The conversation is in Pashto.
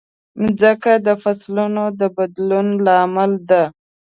مځکه د فصلونو د بدلون لامل ده.